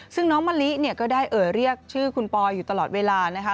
ซึ่งน้องมะลิเนี่ยก็ได้เอ่ยเรียกชื่อคุณปอยอยู่ตลอดเวลานะคะ